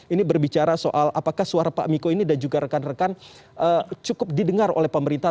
ini berbicara soal apakah suara pak miko ini dan juga rekan rekan cukup didengar oleh pemerintah